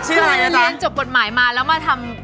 ต้องเรียนจบบทหามาแล้วมาทำ